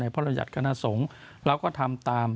พระรุญัติคณะสงฆ์แล้วก็ทำตาม